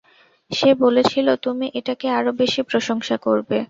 সে বলেছিল তুমি এটাকে আরো বেশি প্রশংসা করবে।